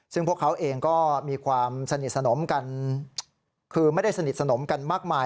ซึ่งพวกเขาเองก็มีความสนิทสนมกันคือไม่ได้สนิทสนมกันมากมาย